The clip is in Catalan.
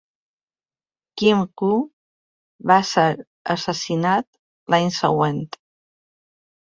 Kim Koo va ser assassinat l'any següent.